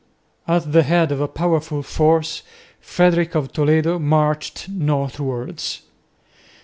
At the head of a powerful force, Frederick of Toledo marched northwards.